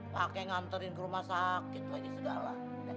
pakai ngantarin ke rumah sakit lagi segala